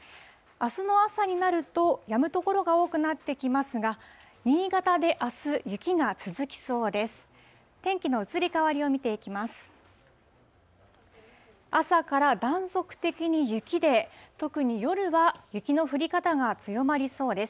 あすの朝になると、やむ所が多くなってきますが、新潟であす、雪が続きそうです。